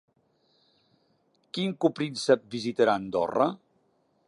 Quin copríncep visitarà Andorra?